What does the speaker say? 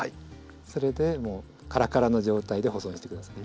それでカラカラの状態で保存してください。